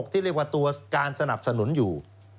ที่เรียกว่าตัวการสนับสนุนอยู่